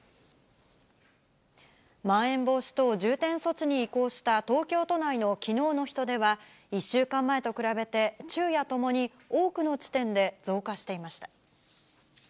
まん延防止等重点措置に移行した東京都内のきのうの人出は、１週間前と比べて、昼夜ともに多くの地点で増加していました。